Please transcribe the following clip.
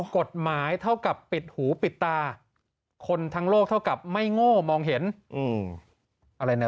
กฎหมายเท่ากับปิดหูปิดตาคนทั้งโลกเท่ากับไม่โง่มองเห็นอะไรนะ